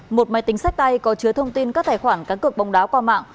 một máy tính sách tay có chứa thông tin các tài khoản cá cực bóng đá qua mạng